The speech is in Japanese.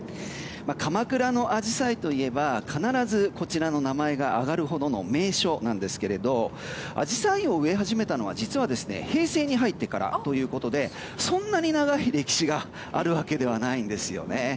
鎌倉のアジサイといえば必ずこちらの名前が上がるほどの名所なんですがアジサイを植え始めたのは実は平成に入ってからということでそんなに長い歴史があるわけではないんですよね。